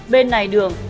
bên này đường